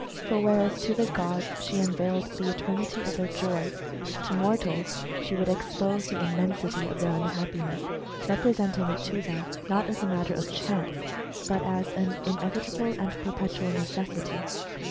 For whereas to the gods lo HISTORY OF THE HUMAN RACE. she Tinveiled the eternity of their joy, to mortals she would expose the immensity of their unhappiness, representing it to them not as a matter of chance, but as an inevitable and perpetual necessity.